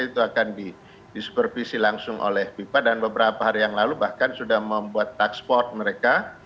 itu akan disupervisi langsung oleh fifa dan beberapa hari yang lalu bahkan sudah membuat taksport mereka